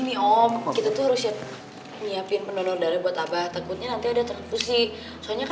biar aku aja yang jadi penonor darahnya abah ya